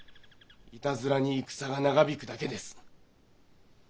いたずらに戦が長引くだけです。